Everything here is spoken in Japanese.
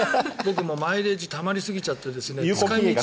マイレージたまりすぎちゃって使い道が。